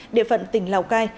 địa phận tỉnh lào cai